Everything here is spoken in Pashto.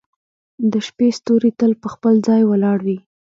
• د شپې ستوري تل په خپل ځای ولاړ وي.